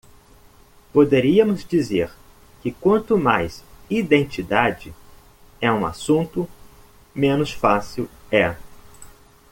Poderíamos dizer que quanto mais "identidade" é um assunto, menos fácil é.